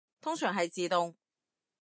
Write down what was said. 通常係自動